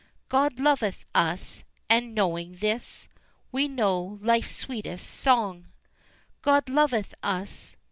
God loveth us, and knowing this We know life's sweetest song. God loveth us!